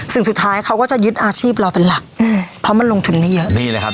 สิ่งสุดท้ายเขาก็จะยึดอาชีพเราเป็นหลักอืมเพราะมันลงทุนไม่เยอะนี่เลยครับ